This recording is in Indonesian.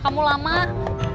kamu sudah map